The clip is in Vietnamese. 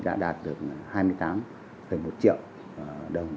đã đạt được hai mươi tám một triệu đồng